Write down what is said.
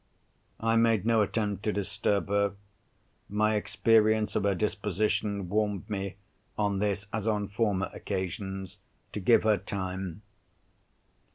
I made no attempt to disturb her. My experience of her disposition warned me, on this, as on former occasions, to give her time.